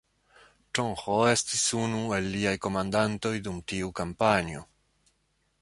Ĉeng He estus unu el liaj komandantoj dum tiu kampanjo.